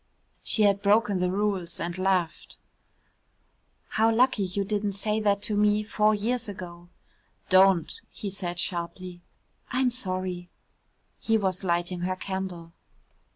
She had broken the rules and laughed. "How lucky you didn't say that to me four years ago." "Don't," he said sharply. "I'm sorry." He was lighting her candle.